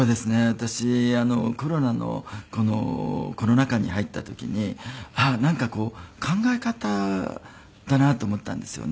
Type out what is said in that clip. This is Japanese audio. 私コロナのコロナ禍に入った時になんかこう考え方だなと思ったんですよね。